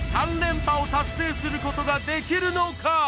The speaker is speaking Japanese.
３連覇を達成することができるのか？